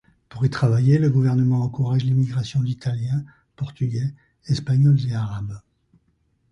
Pour y travailler, le gouvernement encourage l'immigration d'italiens, portugais, espagnols et arabes.